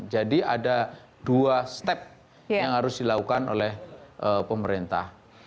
jadi ada dua step yang harus dilakukan oleh pemerintah